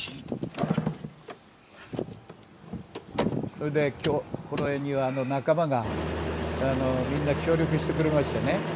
それでこれには仲間がみんな協力してくれましてね